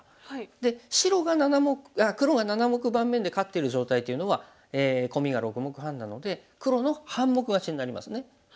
で黒が７目盤面で勝ってる状態っていうのはコミが６目半なので黒の半目勝ちになりますね。